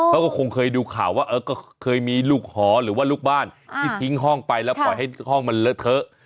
เขาก็คงเคยดูข่าวว่าก็เคยมีลูกหอหรือว่าลูกบ้านที่ทิ้งห้องไปแล้วปล่อยให้ห้องมันเลอะเทอะ